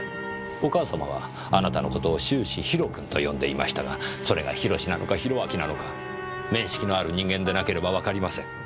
お母様はあなたの事を終始「ひろ君」と呼んでいましたがそれがヒロシなのかヒロアキなのか面識のある人間でなければわかりません。